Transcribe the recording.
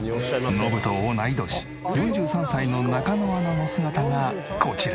ノブと同い年４３歳の中野アナの姿がこちら。